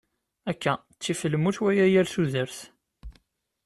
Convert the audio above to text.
Akka ttif lmut wala yir tudert.